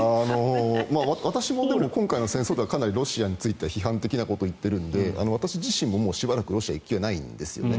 私も今回の戦争ではかなりロシアについて批判的なことを言ってるので私自身もしばらくロシア行けないんですよね。